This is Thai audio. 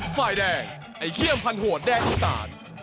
ฝ่ายแดงไอเชียมพันโหดแดงอีสาน